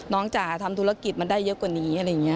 จะทำธุรกิจมันได้เยอะกว่านี้อะไรอย่างนี้